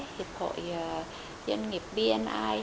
hiệp hội doanh nghiệp bni